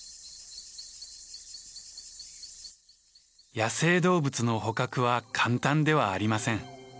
野生動物の捕獲は簡単ではありません。